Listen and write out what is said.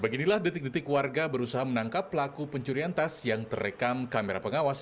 beginilah detik detik warga berusaha menangkap pelaku pencurian tas yang terekam kamera pengawas